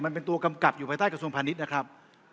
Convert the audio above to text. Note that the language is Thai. มันเป็นตัวกำกับตายไปใต้กระทรวงพระนิสสนะครับ